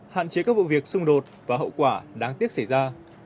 hạn chế các vụ việc xung đột và hậu quả đáng tiếc xảy ra